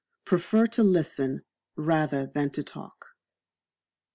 Prefer to Listen rather than to talk.